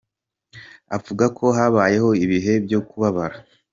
Avuga ko habayeho ibihe byo kubabara.